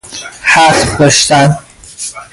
حتم داشتن